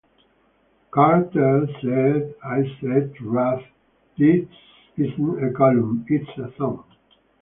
Carter said, I said to Ruth, 'This isn't a column - it's a song'.